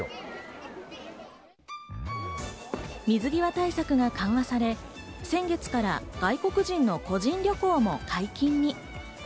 水際対策が緩和され、先月から外国人の個人旅行も解禁に。